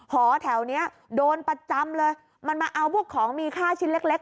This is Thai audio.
หอแถวเนี้ยโดนประจำเลยมันมาเอาพวกของมีค่าชิ้นเล็กเล็ก